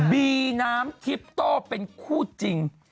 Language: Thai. บีน้ำทิปโต้เป็นคู่จริง